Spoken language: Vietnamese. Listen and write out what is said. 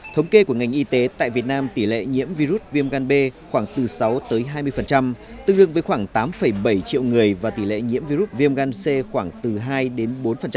thống kê của ngành y tế tại việt nam tỷ lệ nhiễm virus viêm gan b khoảng từ sáu tới hai mươi tương đương với khoảng tám bảy triệu người và tỷ lệ nhiễm virus viêm gan c khoảng từ hai đến bốn